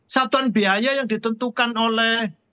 satuan biaya yang ditentukan oleh